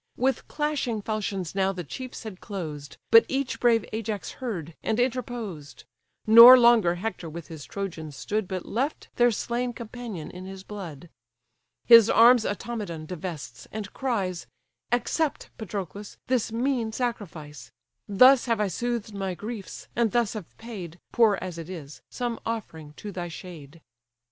With clashing falchions now the chiefs had closed, But each brave Ajax heard, and interposed; Nor longer Hector with his Trojans stood, But left their slain companion in his blood: His arms Automedon divests, and cries, "Accept, Patroclus, this mean sacrifice: Thus have I soothed my griefs, and thus have paid, Poor as it is, some offering to thy shade."